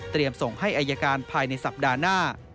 ส่งให้อายการภายในสัปดาห์หน้า